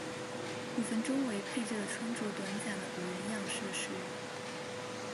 古坟周围配置了穿着短甲的武人样式的石人。